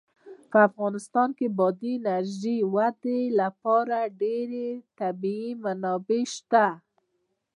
په افغانستان کې د بادي انرژي د ودې لپاره ډېرې طبیعي منابع شته دي.